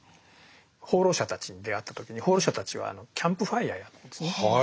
放浪者たちに出会った時に放浪者たちはキャンプファイヤーやってるんですね。